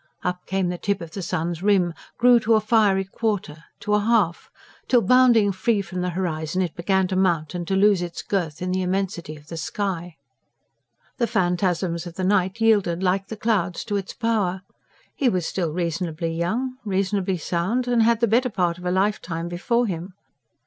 Up came the tip of the sun's rim, grew to a fiery quarter, to a half; till, bounding free from the horizon, it began to mount and to lose its girth in the immensity of the sky. The phantasms of the night yielded like the clouds to its power. He was still reasonably young, reasonably sound, and had the better part of a lifetime before him.